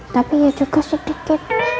tapi ya juga sedikit